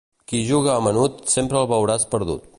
Qui juga a menut, sempre el veuràs perdut.